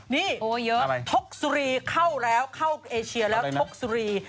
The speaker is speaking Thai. นี่ชกสุรีเข้าแล้วเข้าเอเชียแล้วชกสุรี